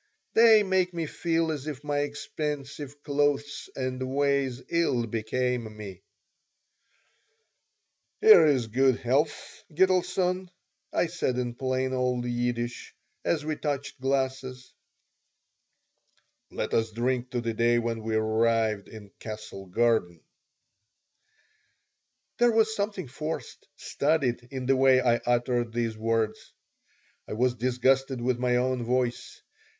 They make me feel as if my expensive clothes and ways ill became me "Here is good health, Gitelson," I said in plain old Yiddish, as we touched glasses. "Let us drink to the day when we arrived in Castle Garden." There was something forced, studied, in the way I uttered these words. I was disgusted with my own voice.